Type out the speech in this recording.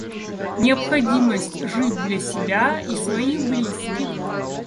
Необходимость жить для себя и своих близких.